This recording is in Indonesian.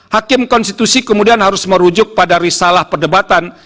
hakim konstitusi kemudian harus merujuk pada risalah perdebatan